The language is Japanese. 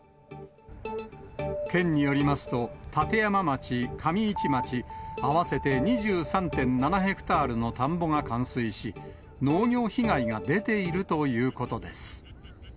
県によりますと、立山町、上市町、合わせて２３．７ヘクタールの田んぼが冠水し、農業被害が出ているということです。